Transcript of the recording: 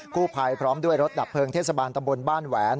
ผู้ภัยพร้อมด้วยรถดับเพลิงเทศบาลตำบลบ้านแหวน